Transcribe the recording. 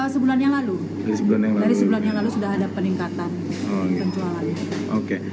sebulan yang lalu dari sebulan yang lalu sudah ada peningkatan penjualannya